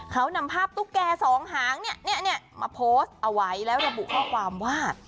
เขานำภาพตุ๊กแก่สองหางเนี่ยมาโพสต์เอาไว้แล้วระบุข้อความว่า